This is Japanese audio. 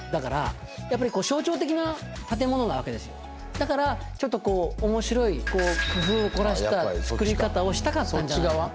だからちょっとこう面白いこう工夫を凝らしたつくり方をしたかったんじゃないかな。